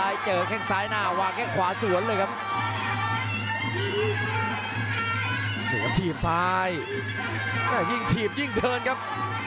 ยิ่งถีบยิ่งเดินครับ